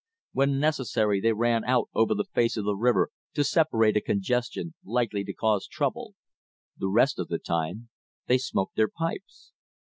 When necessary, they ran out over the face of the river to separate a congestion likely to cause trouble. The rest of the time they smoked their pipes.